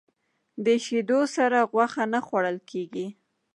د شیدو سره غوښه نه خوړل کېږي.